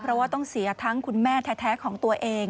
เพราะว่าต้องเสียทั้งคุณแม่แท้ของตัวเอง